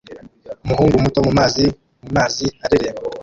Umuhungu muto mumazi mumazi areremba